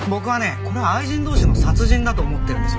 これは愛人同士の殺人だと思ってるんですよ。